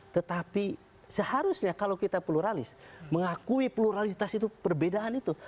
tetapi seharusnya kalau kita pluralis mengakui pluralitas itu perbedaan itu